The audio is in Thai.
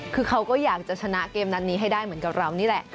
คือเขาก็อยากจะชนะเกมนัดนี้ให้ได้เหมือนกับเรานี่แหละ